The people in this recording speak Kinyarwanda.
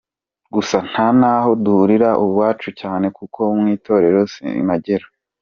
Gusa nta n’aho duhurira ubu cyane kuko mu itorero simpagera.